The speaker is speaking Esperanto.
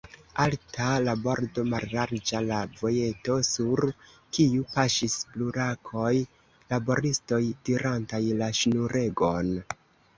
Alta la bordo, mallarĝa la vojeto, sur kiu paŝis burlakoj, laboristoj, tirantaj la ŝnuregon.